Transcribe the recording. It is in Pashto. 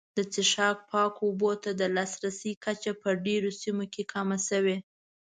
د څښاک پاکو اوبو ته د لاسرسي کچه په ډېرو سیمو کې کمه شوې.